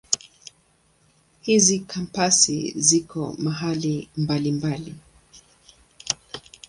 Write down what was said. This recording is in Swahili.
Hizi Kampasi zipo mahali mbalimbali.